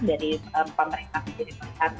dari pemerintah menjadi pemerintah